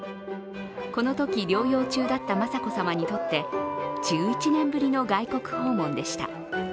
このとき療養中だった雅子さまにとって、１１年ぶりの外国訪問でした。